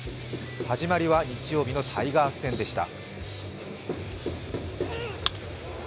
始まりは日曜日のタイガース戦でした。